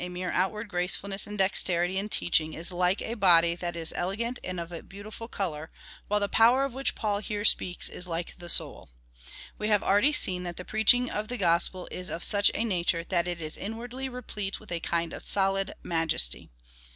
mere outward gracefulness and dexterity in teaching is like a body that is elegant and of a beautiful colour, while the power of which Paul here sjjeaks is like the soul. We have already seen^ that the preaching of the gospel is of such a nature, that it is inwardly replete with a kind of solid ma jesty.